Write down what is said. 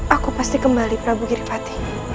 aku pasti kembali prabu giripati